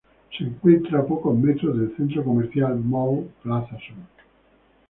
Se encuentra a pocos metros del Centro Comercial Mall Plaza Sur.